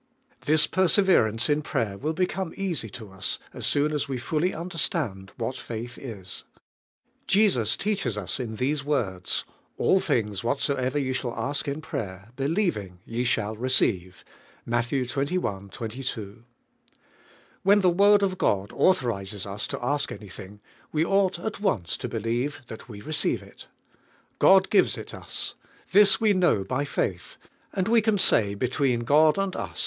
This perseverance in prayer will be come easy to us as soon as we fully under stand what faitli is. Jesus teaches us in these words, "All things whatsoever ye shall ask in prayer, believing, ye shall re ceive" (Matt. isi. 22). When the Word of God authorises us to ask anything, we ought at once to believe that we receive it God gives it us; this we know by faith, and we can say between God and us ^2 DIVIMK HEAUIva. D1VLNX EEALIBG.